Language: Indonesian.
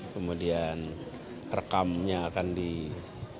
kemudian rekamnya akan dilihat